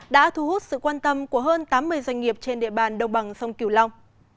đã thu hút sự quan tâm của hơn tám mươi doanh nghiệp trên địa bàn đồng bằng sông kiều long